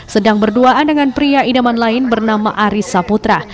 sedang berduaan dengan pria idaman lain bernama aris saputra